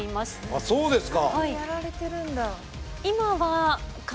あっそうですか。